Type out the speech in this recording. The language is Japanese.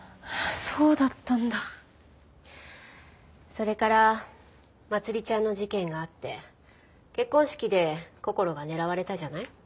それからまつりちゃんの事件があって結婚式でこころが狙われたじゃない？